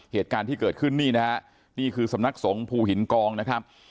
เหตุการณ์ที่เกิดขึ้นนี่นะฮะนี่คือสำนักสงภูหินกองนะครับ